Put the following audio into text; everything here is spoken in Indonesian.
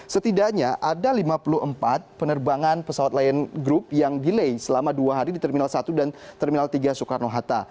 setidaknya ada lima puluh empat penerbangan pesawat lion group yang delay selama dua hari di terminal satu dan terminal tiga soekarno hatta